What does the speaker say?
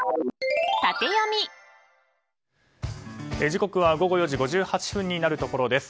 時刻は午後４時５８分になるところです。